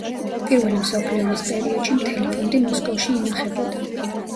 პირველი მსოფლიო ომის პერიოდში მთელი ფონდი მოსკოვში ინახებოდა.